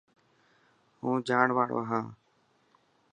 هون جاڻ واڙو هان.